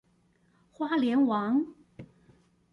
花蓮王